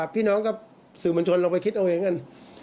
พี่น้องก็สื่อบรรชนลงไปคิดเอาเองกัน